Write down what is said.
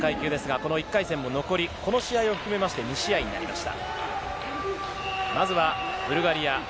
この１回戦もこの試合を含めまして２試合になりました。